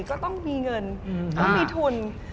ก็ต้องมีเงินก็มีทุน